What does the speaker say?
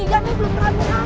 ya ngapain raporan ini